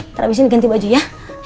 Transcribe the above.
terabisin ganti baju ya